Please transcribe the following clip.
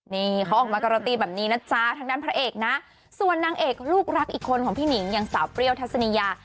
นี่เขาออกมาการันตีแบบนี้นะจ๊ะทางด้านพระเอกนะส่วนนางเอกลูกรักอีกคนของพี่หนิงอย่างสาวเปรี้ยวทัศนียา